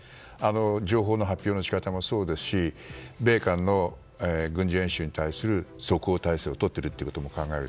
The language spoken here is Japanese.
情報の発表の仕方もそうですし米韓の軍事演習に対する即応体制をとっているということでも考えられる。